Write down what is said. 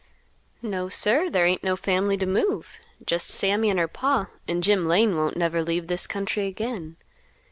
"No, sir, there ain't no family to move. Just Sammy and her Pa, and Jim Lane won't never leave this country again.